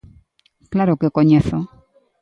Claro que o coñezo.